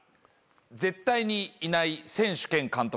絶対にいない選手兼監督。